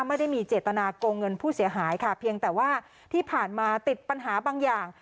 ไม่ได้มีเจตนาโกงเงินผู้เสียหายค่ะเพียงแต่ว่าที่ผ่านมาติดปัญหาบางอย่าง